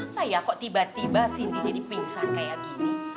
enggak ya kok tiba tiba cindy jadi pingsan kayak gini